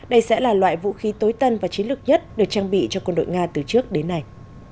đây sẽ là loại vũ khí tối tân và chiến lược nhất được trang bị cho quân đội nga từ trước đến nay